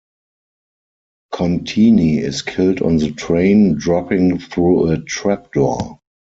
Contini is killed on the train, dropping through a trap door.